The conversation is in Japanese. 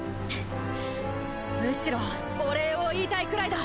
むしろお礼を言いたいくらいだ！